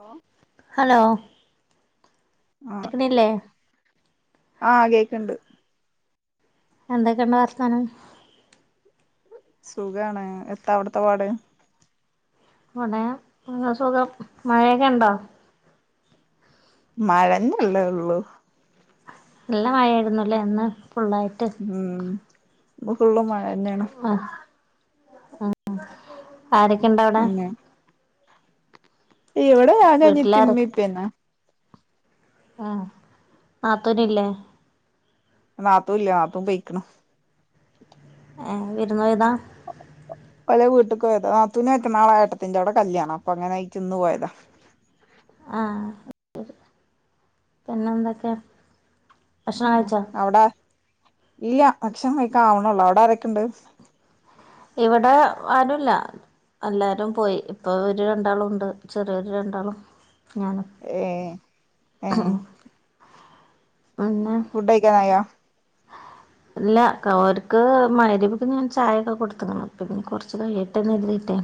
ഓ hello? കേൾക്ക്ണില്ലേ ആ കേക്ക്ണ്ട്. എന്തൊക്കെണ്ട് വർതനം. സുഖാണ്. എത്ത അവ്ട്ത്തെ പാട്? വിടെ സുഖം മഴയൊക്കെ ഉണ്ടോ? മഴന്നെല്ലെളളൂ. നല്ല മഴായിരുന്നുല്ലേ ഇന്ന് ഫുള്ളായിട്ട്. മ്ഉം ഇന്ന് ഫുള്ളും മഴനൊണ്. ആ ആ ആരൊക്കെണ്ട്ഔടെ? ഇവടെ ഞാനും അനിയത്തിം വീട്ടിലാര് ഇമ്മീംഇപ്പിംനെ. ആഹ നാത്തൂനില്ലേ? ന്നാത്തൂല്ല ന്നാത്തൂൻ പൊയ്ക്ക്ണ് ഏ വിരുന്നോയതാ ഒലെ വീട്ടക് പോയതാ നാത്തൂനാ റ്റ നാള ഏട്ടത്തിന്റെവ്ടെ കല്യാണാ അപ്പൊ അങ്ങനെ അയിറ്റ് ഇന്ന് പോയതാ ആഹ് പിന്നെന്തൊക്കെ ആ അവട ഇല്ല ഭക്ഷണം കഴിക്കാനാവുണുളളൂ അവടാ രൊക്കെണ്ട് ഇവിടെ ആരൂല്ല അല്ലാരും പോയി ഇപ്പൊവര് രണ്ടാളുണ്ട് ചെറിയൊര് രണ്ടാളും ഞാനും ഏഹ് ഏഹ് [unintelligible] ഫുഡയ്ക്കാനായോ ല്ലാ ഓര്ക്ക് മഹരിബ്ക്ക് ഞാൻ ചായൊക്കെ കൊടുത്ത്ക്ക്ണ് ഇപ്പോഞ്ഞി കൊറച്ച് കഴിയട്ടേന്ന് കര്തീട്ടെ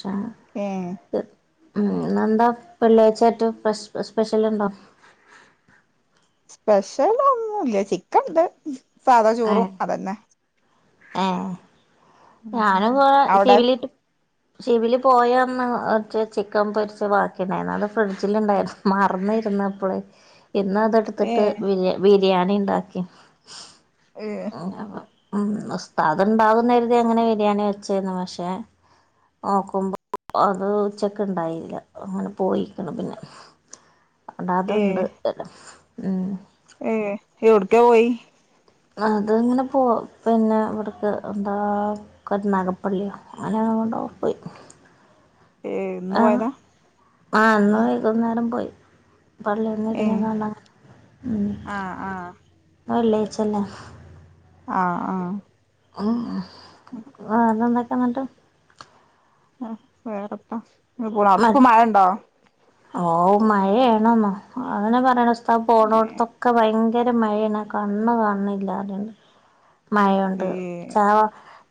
ഷാ ഏ മ് ന്നന്താ വെള്ളിയാഴ്ച്ചായ്ട്ട് സ്പെഷ് സ്പെഷ്യല്ണ്ടോ സ്പെഷ്യൽ ഒന്നുല്ല ചിക്കൻണ്ട് സാധാ ചോറും അതന്നെ ഏഹ് ഉം ഞാനുപാ അവിടെ [unintelligible] [inaudible] [unintelligible] പോയാന്ന് ഒർച്ച് ചിക്കൻ പൊരിച്ചബാക്കി ണ്ടായിന്ന് അത് ഫ്രിഡ്ജിലിണ്ടായിര് മറന്നിരുന്നപ്പള് ഇന്ന് അത്ട്ത്തിട്ട് ഏഹ് ബിരിയാ ബിരിയാണി ഇണ്ടാക്കി ഏഹ് [unintelligible] ഉം ഉസ്താത് ഉണ്ടാവുംന്ന് കരുതി അങ്ങനെ ബിരിയാണി വെച്ചെയ്നു പക്ഷേ നോക്കുമ്പോ അത് ഉച്ചക്ക് ഉണ്ടായ്നീല അങ്ങനെ പോയിരിക്കണം പിന്നെ [inaudible] അതാതുണ്ട് ഏഹ് ഉം ഏ എവ്ട്ക്കെ പോയി അതിങ്ങനെ പോവ് പിന്നാ ഇവിടക്ക് എന്താ കരുനാഗപ്പള്ളിയാ ആങ്ങനേങ്ങാണ്ടോ പോയി ഏഹ് ഇന്നു പോയതാ ആ ഇന്ന് വൈകുന്നേരം പോയി ഏ പള്ളികഴിഞ്ഞെന്തിനാ കാണണ ഉം ഇന്ന് ആ വെള്ളിയാഴച്ചല്ലേ ആഹ് ആഹ് അഹ് അ അതെന്തൊക്കെയാന്ന്ട്ട് ആഹ് വേറെന്താ [unintelligible] അവ്ടക്കെ മഴേണ്ടോ ഓ മഴയാണെന്നോ അങ്ങന പറയണസ്ഥ പോണോട്ത്തൊ ക്കെ ഭയങ്കര മഴേണ് കണ്ണ് കണണി ല്ലാ റഞ്ഞണ്ട് മഴയൊണ്ട് ഏ ചാവ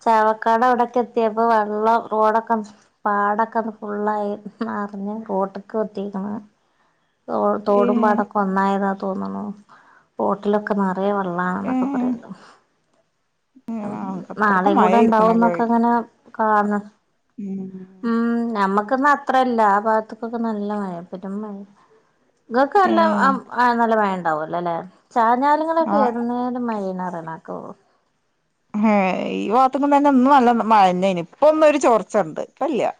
ചാവക്കാടവിടെക്കെത്തിയപ്പോ വെള്ളം റോഡക്കം പാടക്കെ ഫുള്ളായി നറഞ്ഞ് പോട്ട് [unintelligible] തോടും ഏ തോടുംപാടോക്ക ഒന്നായീന്നാ തോന്നുണു റോട്ടിലൊക്ക നറയെ ഏ വെള്ളാണെന്നാ ക്കെ പറയണ്ട് അത്രക്കും നാളേകൂടെ മഴയിരിക്കണല്ലേ ഇണ്ടാവുന്നക്കങ്ങന കാണാം ഉം ഉം നമ്മക്കൊന്നും അത്രെല്ല ആ ഭാഗത്തുക്കൊക്കെ നല്ല മയ പെരും മയ ഏ ഇങ്ങക്കെല്ലാം അം ആ നല്ല മയണ്ടാവോല്ലാല്ലെ ആ ചാഞ്ഞാലങ്ങളൊക്ക ഏതുനേരോം മഴേണ് ണറയണകേക്കാ ഹേയ് ഈ വാത്തുമ്മതന്നെ ഒന്നും നല്ല മഴന്നേന്ന് ഇപ്പൊന്നൊരു ചോർച്ചെണ്ട് ഇപ്പല്ല്യാ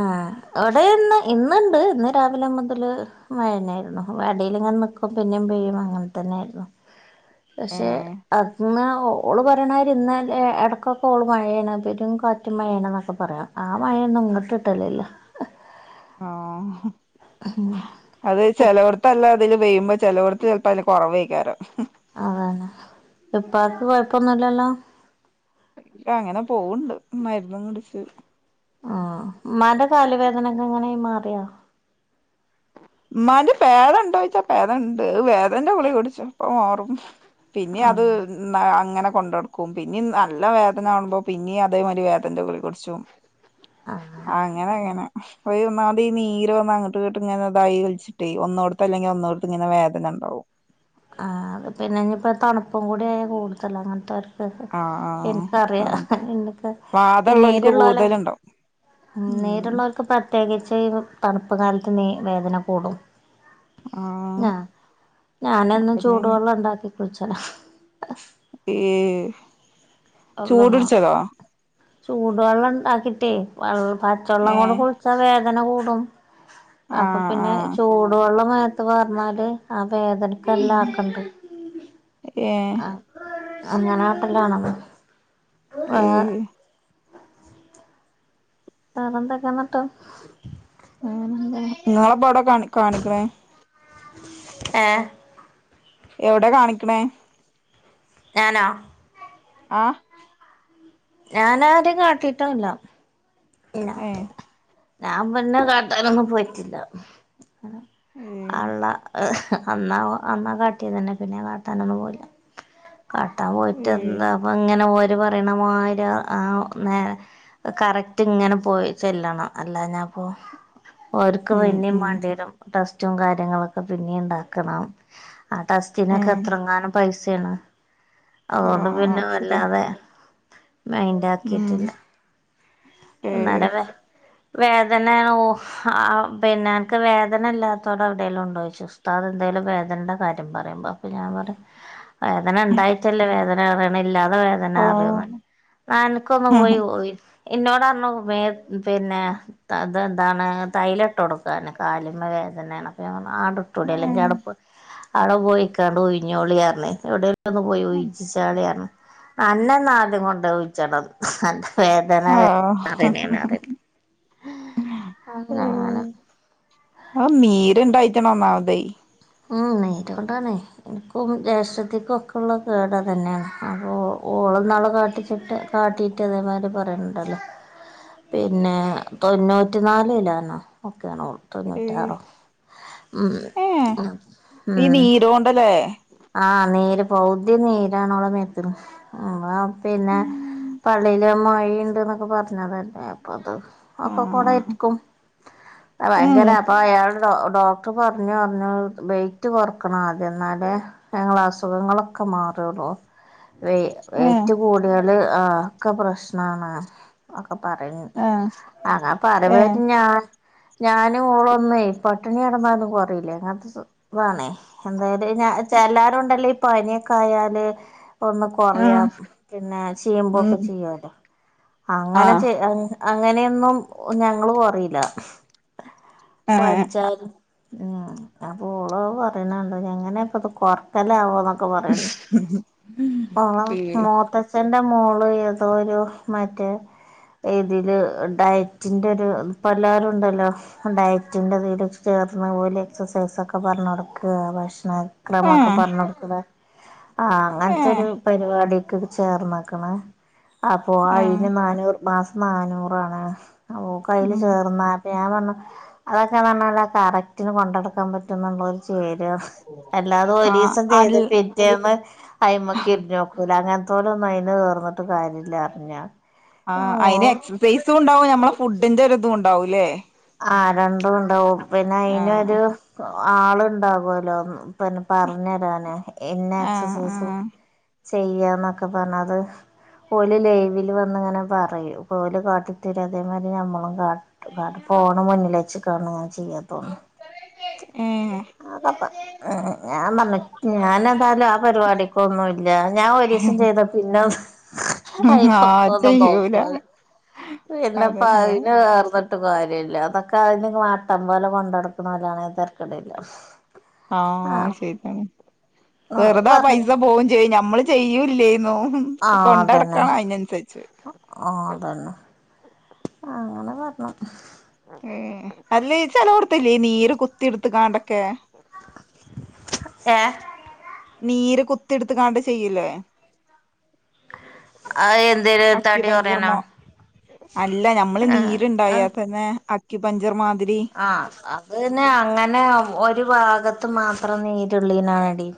ആഹ് അവിടേന്ന് ഇന്നെണ്ട് ഇന്ന് രാവിലെ മൊതല് വേൽന്നെയായിരുന്നു വടിയിൽ ഇങ്ങനെ നിക്കും പിന്നേം പെയ്യും അങ്ങൻതന്നെയാര്ന്നു. ഏ പക്ഷേ അത്ന്നാ ഓ ഓള് പറയണാരീ ഇന്നലെ എ എടക്കൊക്കോള് മഴയേണ് പെരും കാറ്റും മഴയേണ് എന്നൊക്കെ പറയാം ആ മഴയെന്നും ഇങ്ങട്ട് ട്ടില്ലല്ലോ ആഹ് ഉഹും അത് ചെലവട്ത്തല്ല അതില് പെയ്യുമ്പോ ചെലർവത്ത് ചെൽപ്പ അയില് കൊറവ് ആയിക്കാരം അതാണ് ഇപ്പാക്ക് കൊയപ്പൊന്നില്ലല്ലോ? ഇപ്പ അങ്ങന പോവുണ്ട് മരുന്നും കുടിച്ച് ആഹ് ഉമ്മാന്റ കാല് വേദനക്കെങ്ങനേയ്യ് മാറിയാ ഉമ്മാന്റ പേദെണ്ടോയിച്ചാ പേദെണ്ട് വേദൻന്റ ഗുളിക കുടിച്ച അപ്പമാറും. പിന്നെ അത് ആഹ് ഉം ആ അങ്ങന കൊണ്ടടക്കും പിന്നേം നല്ല വേദനാവുമ്പോപിന്നേം അതേമാതിരി വേദൻന്റ ഗുളിക കുടിച്ചും ആഹ് ആഹ് അങ്ങനങ്ങനെ പോയി ഒന്നാമതീ നീര് വന്നങ്ങട്ട് ട്ട് ഇങ്ങെനതായീ വലിച്ചിട്ടേ ഒന്നോടത്തല്ലെങ്കി ഒന്നോടത്തിങ്ങന വേദന എണ്ടാവും. ആഹ് അത് പിന്ന ഇനി ഇപ്പ തണുപ്പും കൂടേയായ കൂടുതലാ അങ്ങൻത്തൊരു ആഹ് എൻക്കറിയാ ആഹ് ഇങ്ങക്ക് ഈ വാദമുള്ളവർക്ക് നീരുള്ളോല കൂടുതലുണ്ടാവും ഉം നീരുള്ളോൽക്ക് പ്രത്യേകിച്ച് തണുപ്പ് കാലത്ത് നീ വേദന കൂടും. ആഹ് ആ ഞാനെന്നും അതന്നെയാണ് ചൂടുവെള്ളെണ്ടാക്കി കുളിച്ചെലാ ഈ അള്ളോ ചൂടുടിച്ചതോ ചൂടുവെള്ളെണ്ടാക്കിട്ടേ വെൾ പച്ചേള്ളംകൊണ്ട് ഏഹ് കുൾ ച്ചാ വേദന കൂടും അപ്പ ആഹ് പിന്നേയ് ആഹ് ചൂടുവെള്ളം മേത്ത് പാർന്നാല് ആ വേദന ക്കെല്ലാ ആക്കണ്ട്. ഏഹ് ആഹ് അങ്ങനാട്ടലാണെന്ന് ഏഹ് വേ വേറെന്തെക്കാ എന്നിട്ട്? വേറെന്താ, ങ്ങളപ്പോവ്ടെ കാണി കാണിക്കണേ ഏഹ് എവിടെ കാണിക്ക്ണേ ഞാനോ ആഹ് ഞാനാരേം കാട്ടീട്ടൊന്ല്ല ഏഹ് ഞാൻ പിന്നെ കാട്ടാനൊന്നും പോയിട്ടില്ല ഏ അള്ളാ അന്നാവൊ അന്നാ കാട്ടിയതെന്നെ പിന്നെ കാട്ടാനൊന്നും പോയ്ലാ കാട്ടാൻ പോയിട്ട് ഏ എന്താ വൊങ്ങനെ ഓര് പറയണമാര് ആ നേ കറക് റ്റ് ങ്ങനെ പോയി ചെല്ലണം അല്ലാഞ്ഞപ്പോ ഓര്ക്ക് ഉം പിന്നേം ഉം മാണ്ട്യരും ടെസ്റ്റും കാര്യങ്ങളൊക്കെ പിന്നേം ഇണ്ടാക്കണം ആ ടെസ്റ്റിനൊക്കെ ഉം എത്രങ്ങാനും പൈസ്യാണ് ആ അതുകൊണ്ട് പിന്നെ ശരി വല്ലാതെ മൈൻഡ് ഉം ആക്കീട്ടില്ല ഏ ന്നലെ വെ വേദനാ ഓ ആഹ് പിന്നെ അന്ക്ക് വേദന ഇല്ലാത്തോടം എവ്ടെലും ഉണ്ടോയ്ച്ചു ഉസ്താദ് ന്തേലും വേദനെന്റെ കാര്യം പറയുമ്പോ പം ഞാവടെ വേദനണ്ടായിറ്റല്ലെ വേദനാറിണേ ല്ലാ വ്ട ഓ വേദനാറിയുമ്പ ന്നാ അൻക്കൊന്ന് പോയി ഉയി ഇന്നോടർഞ്ഞു വേ പിന്നാ തതെന്താണ് തൈലട്ടൊട്ക്കാന് കാലിമ്മേ വേദനേണ് അപ്പൊ ഞാം പർഞ്ഞു ആടു തൊടെല്ലെങ്കി ഔടെപോയ്‌ ഔടെ പോയിക്കാണ്ട് ഉയ്ഞ്ഞോളി അർഞ്ഞ് എവ്ടെ ഒന്ന് പോയി ഉയ്ചിച്ചാളി അർഞ്ഞു അന്നെന്നാദ്യം കൊണ്ടൊയ് ഉഴ്ച്ചെണം അന്റെ വേ അങ്ങനെ ആഹ് ഔ നീര് ണ്ടായിട്ടാണ് ഒന്നാമതേ ഉം നീരോണ്ടാണ് ഇൻക്കും ജേഷ്ടത്തിക്കും ഒക്കെള്ള കേടതെന്നെണ് അപ്പോ ഓള്ന്നാള് കാട്ടിച്ചിട്ട് കാട്ടീട്ടതേമാരി പറെണ് ണ്ടോ ലെ പിന്നെ തൊണ്ണൂറ്റി നാല്കിലോന ഒക്കേണ് ഓള് ഏ തൊണ്ണൂറ്റാറോ ഉം ഏ ഉം ഈ ഊം നീരോണ്ടല്ലേ ആഹ് നീര് പൗതി നീരണോള മെത്ത്ന് ന്നാ പിന്നെ പള്ളേല് മൊയണ്ട്ന്നൊക്കെ പറ്ഞ്ഞതല്ലേ അപ്പത് ആ ഒക്കെ കൂടെര്ക്കും അഅ് ഏ ഭയങ്കര അപ്പയാള് ഡോ ഡോക്ടർ പറഞ്ഞുർഞ്ഞു വെയിറ്റ് കൊറക്കണാ എന്നാലേ ങ്ങളേ അസുഖങ്ങളൊക്കെ മാറുള്ളൂ വൈ ഏ വെയ്റ്റ് കൂട് ട്യാല് ആ ഒക്കെ പ്രശ്നാണ് അഒക്കെ പറിന്ന്ണ്ട് ആ അങ്ങപ്പ ഏ റീമ്പഴേക്കും ഞാ ഞാനും ഓളൊന്നെ പട്ടിണി കെടന്നാലും കൊറീലാ എങ്ങൻത്തെ സ്വ താണേ എന്തായാലു ഞാ ചേല്ലാരു ണ്ടല്ലോ ഈ പനിയൊക്കായാല് ഒന്ന് ആ കൊറയാ പിന്നെ ചെയ്യുമ്പോ ഒക്കെ ഉം ചെയ്യാലോ ആ അങ്ങനെ ചെയ് [unintelligible] അങ്ങനെയൊന്നും ഞങ്ങള് കൊറീലാ ഏ പന്ച്ചാലും ആഹ് അപ്പോളോ പറയ്ണ് ണ്ട് തെങ്ങനെപ്പത് കൊർ കലാവോ ന്നൊക്കെ പറയ്ന്ന് ഓള ഏ മോത്തെ ച്ഛന്റെ മോള് ഏതോരു മറ്റേ ഏതില് ഡയറ്റിന്റൊരു പ്പല്ലാരു ണ്ടല്ലോ ഡയറ്റിന്റെതില് ചേർന്ന് ഓല് എക്സർസൈസൊക്കെ പറഞ്ഞൊട്ക്കാ ഭക്ഷണ ആ ക്രമൊക്കെ പറഞ്ഞൊടുക്ക്‌ന്നെ ആ ഏ അങ്ങൻത്തൊരു പരിപാടിക്ക് ചേർന്ന്ക്കണ് അപ്പൊ ആ അയ്ന് നാനൂർ മാസം നാനൂറാണ് ഓക്കയ്ല് ഉം ചേർന്നാ ഞാൻ പറഞ്ഞു അതൊക്കെ ന്നർഞ്ഞാല് ആ കറക്റ്റ്ന് കൊണ്ടടുക്കാൻ പറ്റുന്നുള്ളോരു ചേര്അ അല്ലാതെ ആ ഒരീസം അൽ ചെയ്ത് പിറ്റേന്ന് അയിമക്ക് [unintelligible] [unintelligible] അങ്ങൻത്തോലൊന്നു അയ്ന് നിർന്നിട്ട് കാര്യല്ല അർഞ്ഞ ആഹ് അയിനെ ക്സർസൈസുണ്ടാവും ഞമ്മളെ ഫുഡ്ഡിന്റൊരിതു ണ്ടാവും ല്ലേ ആഹ് രണ്ടൂണ്ടാവും ആഹ് പിന്നയിനൊരു കൊ ആളുണ്ടാവൊല്ലോ ഉ പിന്നെ പർഞ്ഞരാന് ഇന്നെ ആഹ് എക്സർസൈസ് ആഹ് ചെയ്യാന്നൊക്കെ പറഞ്ഞത് ഓല് ലൈവില് വന്ന്ങ്ങനെ പറയു ഓല് കാട്ടിത്തെരു അതേമാരി ഞമ്മളും കാ ഫ ഫോണ് മുന്നിൽ വച്ച് കാണ് അ ചെയ്യാ തോന്ന് ഏഹ് ഞാൻ പർഞ്ഞ് ഞാനെതാലും ആ പരിപാടിക്കാെന്നുല്ലാ ഞാൻ ഒരീസം ചെയ്താ പിന്നൊ ആ അയ്മക്കൊന്നും ചെയ്യൂല നോക്കൂലാ അതന്നെ പിന്നെപ്പയ്ന് നട്ന്ന് ട്ട് കാര്യല്ല അതൊക്കെ അയ്ന്റെ മട്ടം പോലെ കൊണ്ടട്ക്ക്ണാേലാണെ തെര്ക്കെട്ല്ലാ ആഹ് അത് ശെര്യാണ് ആഹ് വെറ്തെ ആ പറഞ്ഞു പൈസ പോവും ചെയ്യും ഞമ്മള് ചെയ്യുല്ലേന്നൂ ആഹ് അതന്നെ കൊണ്ടട്ക്കണം അയ്നൻസര്ച്ച് ആഹ് അതാണ് അങ്ങെനെ പർഞ്ഞ് ഊം അല്ലേ ചെലാേറ്ത്‌ല്ലേ ഈ നീര് കുത്തിട്ത്ത്ക്കാണ്ടൊക്കെ ഏഹ് നീര് കുത്തിട്ത്ത്കാണ്ട് ചെയ്യ്ലേ അത് എന്തിന് തടി അക്യുപഞ്ചർ കൊറ്യാനോ മോ അല്ല ഞമ്മള് ആഹ് നീര്ണ്ടായാപ്പെന്നെ അക്കിപഞ്ചർ മാത്‌രി ആഹ് അത് പിന്നെ അങ്ങനെ ഒര് ഭാഗത്ത് മാത്രം നീര് ള്ളിനാണെടി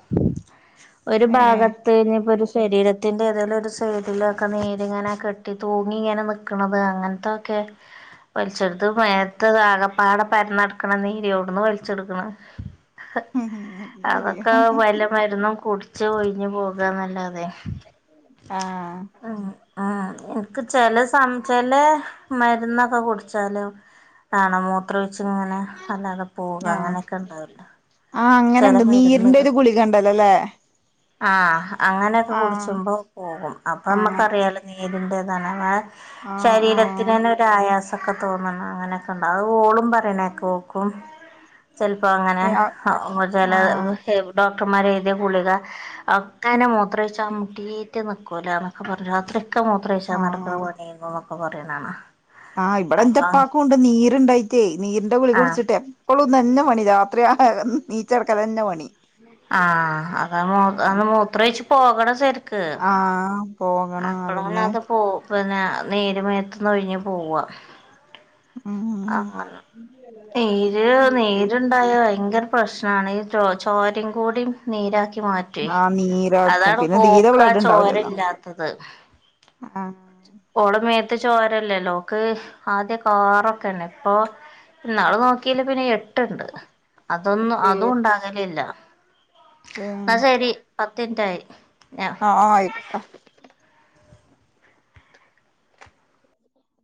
ഒരു ഏഹ് ഭാഗത്ത് ഞ്ഞ്പ്പാെരു സെരീരത്തിന്റെ ഏതേലാെരു സെയ്ഡിലൊക്കെ നീര്ങ്ങെനെ കെട്ടി തൂങ്ങിങ്ങെനെ നിക്ക്ണത് അങ്ങൻത്തൊക്കെ വൽച്ചെട്ത്ത് മേത്ത്താകപ്പാടെ പര്ന്നട്ക്ക്ണെ നീരിയോട്ന്ന് വൽച്ചെട്ക്ക്ണ് അത് ശരിയാ അതൊക്കാ വലം മര്ന്നും കുട്ച്ച് ഒയ്ഞ്ഞ് പോകാന്നല്ലാതെ ആഹ് ഉം ആഹ് ഇൻക്ക് ചെലെ സം ചെലെ മെര്ന്നൊക്കെ കുട്ച്ചാലും അങ്ങനെ മു ത്രാെയ്‌ച്ച്ങ്ങെനെ അല്ലാതെ പോവാ ആഹ് അങ്ങെനെക്കെ ണ്ടാവല്ലാേ ആഹ് അങ്ങെനെണ്ട് നീരിന്റെ ഒര് ഗുളികണ്ടല്ലാെലേ ആഹ് അങ്ങനെയൊക്കെ കുട്ച്ചുമ്പം പോകും ആഹ് അപ്പമ്മക്കറിയാലോ നീര്ന്റതാണ് ആഹ് ശരീര ആഹ് ത്ത്കാണ്ടൊരു ആയാസാെക്കെ തോന്ന്ണ് അങ്ങനെക്കെണ്ടാ അത് ഓളും പറീണേക്ക ഓക്കും ചെൽപ്പം അങ്ങെനെ ഏഹ് ആഹ് ഓ ചെലെ വ് ആഹ് ഡോക്ടർമാരെയ്ത്യ ഗുളിക ഒക്കെനെ മൂത്രെയ്ച്ചാം മുട്ടീട്ട് നിക്കൂലാന്ന് [unintelligible] രാത്ര്യൊക്കെ മൂത്രയ്ച്ചാൻ നട്ക്ക്ണെ ആഹ് പണ്യേന്നുന്നൊക്കെ പറീണാണാ ആഹ് ഇബടെ ഇന്റെപ്പാക്കൂണ്ട് നീര്ണ്ടായ്ട്ടേ നീര്ന്റെ ഗുളിക ആഹ് കുട്ച്ച്ട്ടെ പ്പളും ഇതെന്നെ പണി രാത്രി ആയാ നീച്ചട്ക്കലെന്നെ പണി ആഹ് അതാ മൂ അ മൂത്രാെയ്ച്ച് പോകണം സെര്ക്ക് ആഹ് പോകണം അതന്നെ അപ്പളാണത് പോ പ്ന്നെ നീര് മേത്ത്ന്നൊയ്ഞ്ഞ് പോവാ ഉം അങ്ങനെ നീര് നീര്ണ്ടായ ഭയ്ങ്കരം പ്രശ്നാണ് ഈ ചോ ചോരിം കൂടിം നീരാക്കി മാ റ്റ്വേ ആഹ് നീരാക്കും അതാണ് പിന്നെ തീരെ പ്പോക്കാ ബ്ലഡ് ഉണ്ടാവില്ലല്ലോ ചോരല്ലാത്തത് ആഹ് ഓളെ മേത്ത് ചോരല്ലല്ലോ ഓക്ക് ആദ്യാെക്കെ ആറൊക്കെന്നെ ഇപ്പോ ഇന്നാള് നോക്ക്യേല് പിന്നെ എട്ട്ണ്ട് അതൊന്ന് ഏഹ് അതുംണ്ടാകലില്ല ന്നാ ഏഹ് ശെരി പത്തിൻറ്റായി ഞ ആഹ് അയ്ക്കാെട്ടെ